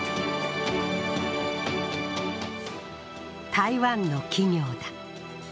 台湾の企業だ。